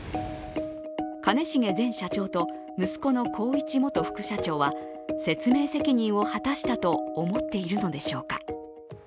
兼重前社長と息子の宏一元副社長は説明責任を果たしたと思っているのでしょうか。